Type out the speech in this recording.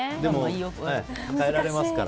変えられますから。